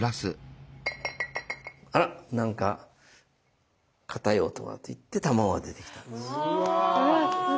「あら何かかたい音が」って言って卵が出てきたんです。